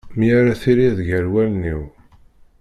Mi ara tiliḍ gar wallen-iw.